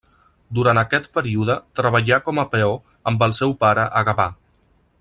Durant aquest període treballà com a peó amb el seu pare a Gavà.